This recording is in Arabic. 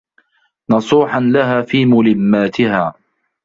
نَصُوحًا لَهَا فِي مُلِمَّاتِهَا